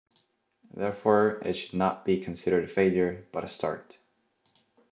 Therefore, it should not be considered a failure, but a start.